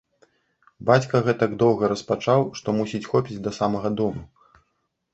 Бацька гэтак доўга распачаў, што, мусіць, хопіць да самага дому.